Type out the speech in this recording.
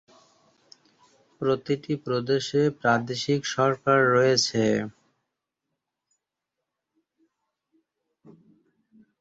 প্রতিটি প্রদেশে প্রাদেশিক সরকার রয়েছে।